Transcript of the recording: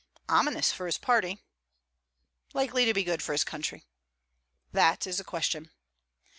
'Ominous for his party.' 'Likely to be good for his country.' 'That is the question.'